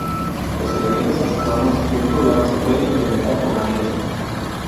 Los elementos asíncronos de un programa se pueden implementar como hilos.